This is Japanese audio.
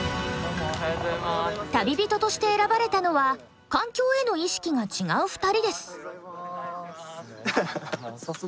旅人として選ばれたのは環境への意識が違う２人です。